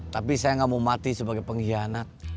tapi saya nggak mau mati sebagai pengkhianat